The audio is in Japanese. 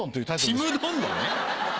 『ちむどんどん』ね。